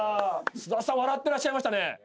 菅田さん笑ってらっしゃいましたね。